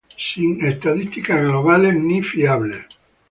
Sin estadísticas globales ni fiables.